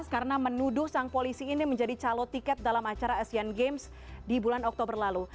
karena menuduh sang polisi ini menjadi calon tiket dalam acara asean games di bulan oktober lalu